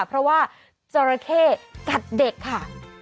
เพราะว่าโจรแคกัดเด็กค่ะ